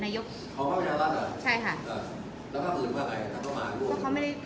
อ๋อแล้วภาพอื่นภาคไหนภาพภาคม้า